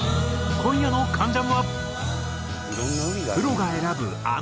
今夜の『関ジャム』は。